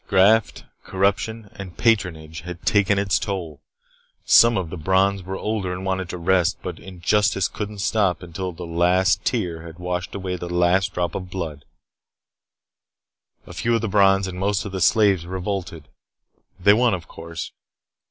Graft, corruption, and patronage had taken its toll. Some of the Brons were older and wanted to rest. But injustice couldn't stop until the last tear had washed away the last drop of blood. A few of the Brons and most of the slaves revolted. They won, of course.